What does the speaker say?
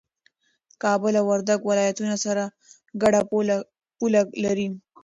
کابل او وردګ ولايتونه سره ګډه پوله لري